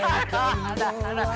agut agut agut agut